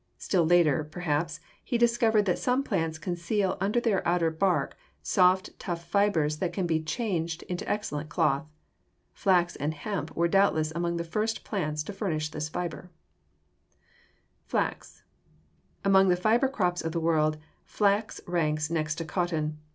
Still later, perhaps, he discovered that some plants conceal under their outer bark soft, tough fibers that can be changed into excellent cloth. Flax and hemp were doubtless among the first plants to furnish this fiber. =Flax.= Among the fiber crops of the world, flax ranks next to cotton.